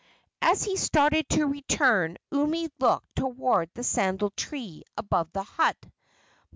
As he started to return Umi looked toward the sandal tree above the hut.